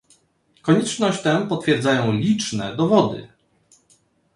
Konieczność tę potwierdzają liczne dowody